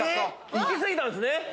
いき過ぎたんすね。